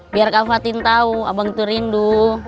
biar kak fatin tahu abang itu rindu